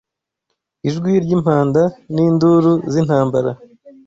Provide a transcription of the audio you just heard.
ijwi ry’impanda n’induru z’intambara